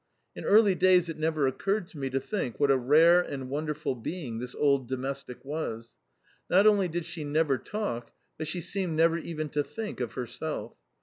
In early days it never occurred to me to think what a rare and wonderful being this old domestic was. Not only did she never talk, but she seemed never even to think, of herself.